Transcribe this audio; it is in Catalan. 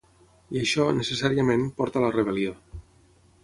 I això, necessàriament, porta a la rebel·lió.